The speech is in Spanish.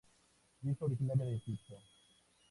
Es originaria de Egipto.